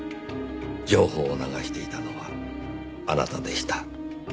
情報を流していたのはあなたでした。